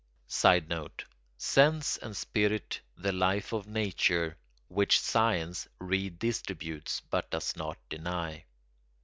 [Sidenote: Sense and spirit the life of nature, which science redistributes but does not deny.